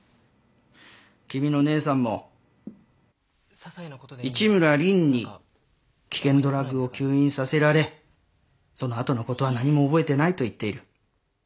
君の姉さんも市村凜に危険ドラッグを吸引させられその後のことは何も覚えてないと言っている。